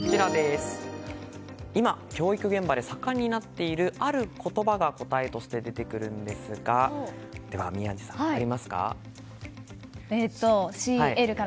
今、教育現場で盛んになっているある言葉が答えですがでは、宮司さん分かりますか？